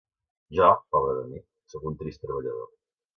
Jo, pobre de mi, soc un trist treballador.